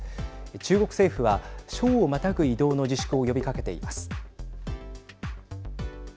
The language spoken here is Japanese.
中国政府は、省をまたぐ移動の自粛を呼びかけています。